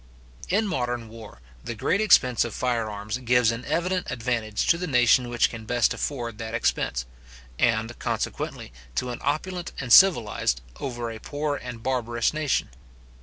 In modern war, the great expense of firearms gives an evident advantage to the nation which can best afford that expense; and, consequently, to an opulent and civilized, over a poor and barbarous nation.